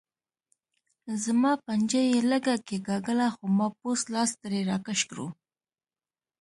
زما پنجه یې لږه کېګاږله خو ما پوست لاس ترې راکش کړو.